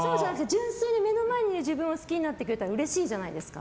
純粋に目の前の自分を好きになってくれたらうれしいじゃないですか。